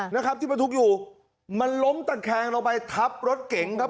นะครับที่บรรทุกอยู่มันล้มตะแคงลงไปทับรถเก๋งครับ